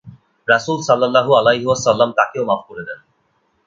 রাসূল সাল্লাল্লাহু আলাইহি ওয়াসাল্লাম তাকেও মাফ করে দেন।